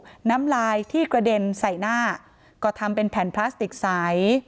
น้ำลายที่กระเด็นใส่หน้าก็ทำเป็นแผ่นพลาสติกใส